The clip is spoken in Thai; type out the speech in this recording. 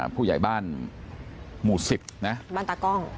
ผู้ใหญ่บ้านหมู่๑๐นะบ้านตากล้อง